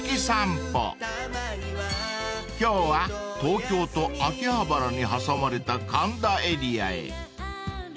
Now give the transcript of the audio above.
［今日は東京と秋葉原に挟まれた神田エリアへ］